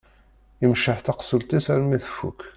Imceḥ taqessult-is armi tfukk.